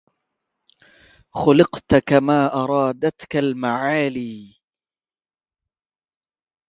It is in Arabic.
خلقت كما أرادتك المعالي